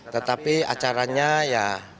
jadi acaranya ya